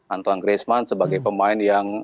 anton griezmann sebagai pemain yang kali ini